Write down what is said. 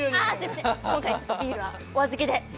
今回ビールはお預けで。